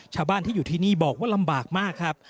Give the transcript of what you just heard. ชาวบ้านที่อยู่ที่นี่บอกว่าลำบากมากครับ